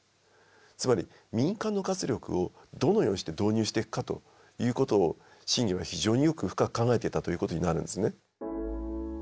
つまり民間の活力をどのようにして導入していくかということを信玄は非常によく深く考えていたということになるんですね。